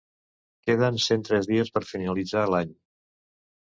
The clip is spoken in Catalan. Queden cent tres dies per finalitzar l'any.